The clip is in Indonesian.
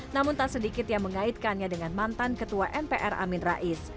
namun tak sedikit yang mengaitkannya dengan mantan ketua mpr amin rais